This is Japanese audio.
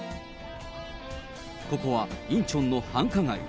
ここはインチョンの繁華街。